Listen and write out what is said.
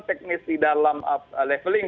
teknis di dalam leveling